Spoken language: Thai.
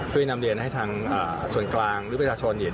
อ๋อส่วนใหญ่ของชาวบ้านเนี่ย